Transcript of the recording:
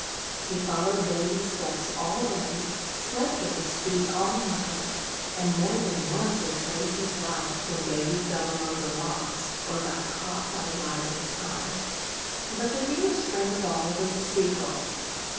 He followed Davy's steps all day, slept at his feet all night, and more than once had saved his life when Davy fell among the rocks, or got caught by the rising tide. But the dearest friend of all was a sea gull.